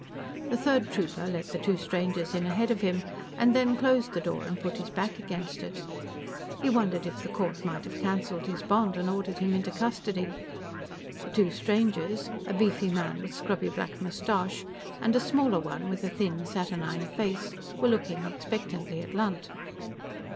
The third trooper let the two strangers in ahead of him, and then closed the door and put his back against it. He wondered if the court might have cancelled his bond and ordered him into custody. The two strangers a beefy man with a scrubby black mustache, and a smaller one with a thin, saturnine face were looking expectantly at Lunt.